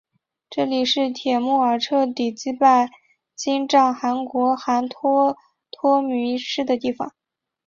这里是帖木儿彻底击败金帐汗国汗脱脱迷失的地方。